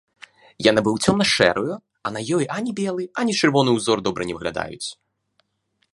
Я набыў цёмна-шэрую, а на ёй ані белы, ані чырвоны ўзор добра не выглядаюць.